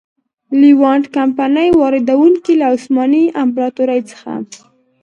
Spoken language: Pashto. لېوانټ کمپنۍ واردوونکو له عثماني امپراتورۍ څخه.